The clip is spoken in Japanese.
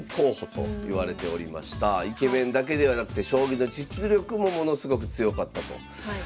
イケメンだけではなくて将棋の実力もものすごく強かったと。